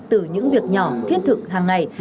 từ những việc nhỏ thiết thực hàng ngày